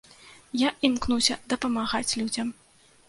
Я імкнуся дапамагаць людзям.